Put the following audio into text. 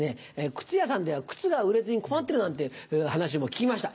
靴屋さんでは靴が売れずに困ってるなんて話も聞きました。